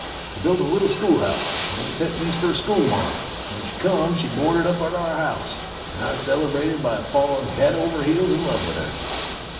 We built a little schoolhouse, and then we sent East for a schoolmarm, and when she come she boarded up at our house, and I celebrated by fallin' head over heels in love with her."